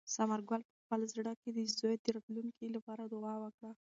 ثمر ګل په خپل زړه کې د زوی د راتلونکي لپاره دعا وکړه.